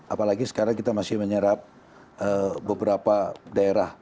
apalagi sekarang kita masih menyerap beberapa daerah